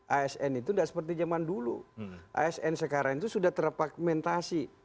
asn itu tidak seperti zaman dulu asn sekarang itu sudah terpagmentasi